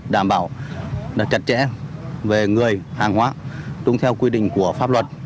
đảm bảo chặt chẽ về người hàng hóa đúng theo quy định của pháp luật